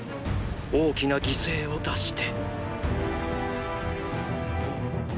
大きな犠牲を出して！